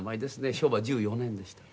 昭和１４年でした。